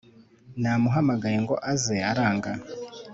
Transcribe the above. namuhamagaye ngo aze aranga